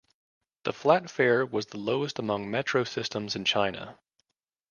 The flat fare was the lowest among metro systems in China.